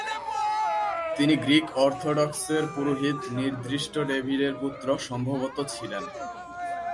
তিনি গ্রীক অর্থোডক্সের পুরোহিত নির্দিষ্ট ডেভিডের পুত্র "সম্ভবত" ছিলেন ।